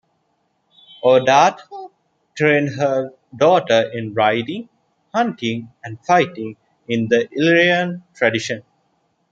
Audata trained her daughter in riding, hunting, and fighting in the Illyrian tradition.